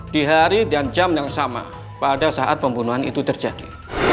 di hari dan jam yang sama pada saat pembunuhan itu terjadi